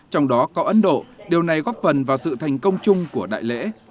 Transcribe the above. trong đó có ấn độ điều này góp phần vào sự thành công chung của đại lễ